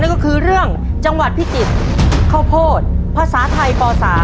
ก็คือเรื่องจังหวัดพิจิตรข้าวโพดภาษาไทยป๓